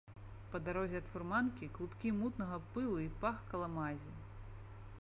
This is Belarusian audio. Па дарозе ад фурманкі клубкі мутнага пылу і пах каламазі.